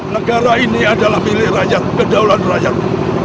negara ini adalah milik rakyat kedaulatan rakyat